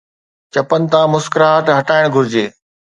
چپن تان مسڪراهٽ هٽائڻ گهرجي